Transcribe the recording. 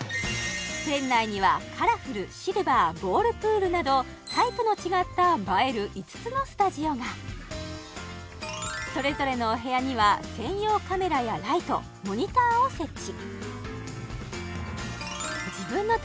店内にはカラフルシルバーボールプールなどタイプの違った映える５つのスタジオがそれぞれのお部屋には専用カメラやライトモニターを設置